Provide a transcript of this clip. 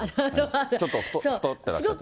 ちょっと太ってらっしゃる。